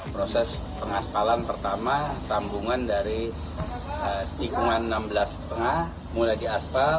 proses pengaspalan pertama tambungan dari tikungan enam belas lima mulai diaspal